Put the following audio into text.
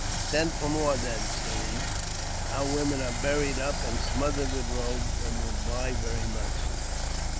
" Send for more, then," said he. " Our women are buried up and smothered with robes, and will buy very much."